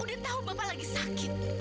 udah tahu bapak lagi sakit